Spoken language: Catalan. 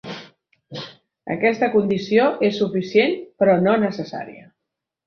Aquesta condició és suficient però no necessària.